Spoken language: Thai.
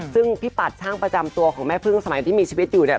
ซึ่งพี่ปัดช่างประจำตัวของแม่พึ่งสมัยที่มีชีวิตอยู่เนี่ย